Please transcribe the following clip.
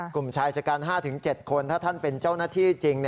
กลุ่มชายชะกัน๕๗คนถ้าท่านเป็นเจ้าหน้าที่จริง